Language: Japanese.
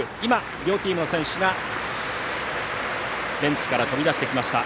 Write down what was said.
両チームの選手がベンチから飛び出してきました。